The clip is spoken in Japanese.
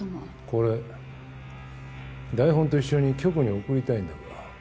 これ台本と一緒に局に送りたいんだが。